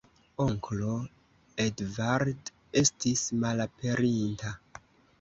Onklo Edvard estis malaperinta.